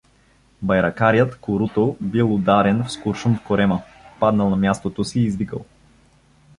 Байрактарят Куруто бил ударен с куршум в корема, паднал на мястото си и извикал.